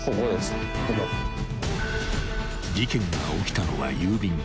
［事件が起きたのは］